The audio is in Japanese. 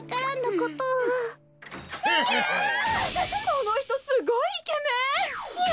・このひとすごいイケメン！